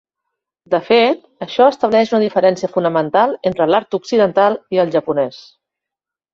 De fet, això estableix una diferència fonamental entre l'art occidental i el japonès.